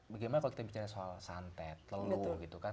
bagaimana kalau kita bicara soal santet lelu gitu kan